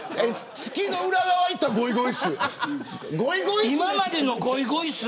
月の裏側に行ったゴイゴイスー。